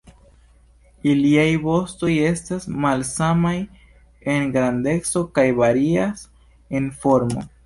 Iliaj vostoj estas malsamaj en grandeco kaj varias en formo.